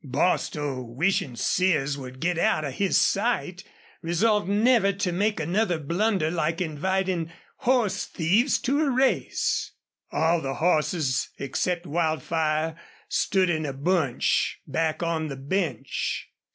Bostil, wishing Sears would get out of his sight, resolved never to make another blunder like inviting horse thieves to a race. All the horses except Wildfire stood in a bunch back on the bench.